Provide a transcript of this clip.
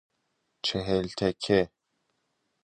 چهل تکه